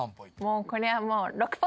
もうこれはもう。